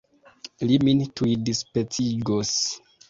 Li min tuj dispecigos!